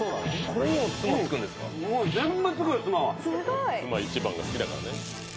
「つま一番が好きだからね」